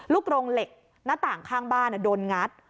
โรงเหล็กหน้าต่างข้างบ้านโดนงัด